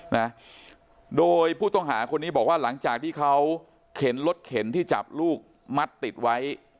นะโดยผู้ต้องหาคนนี้บอกว่าหลังจากที่เขาเข็นรถเข็นที่จับลูกมัดติดไว้